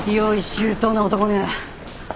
周到な男ね。